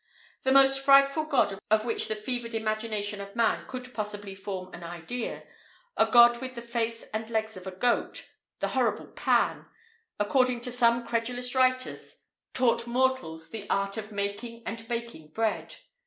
The most frightful god of which the fevered imagination of man could possibly form an idea a god with the face and legs of a goat, the horrible Pan! according to some credulous writers, taught mortals the art of making and baking bread.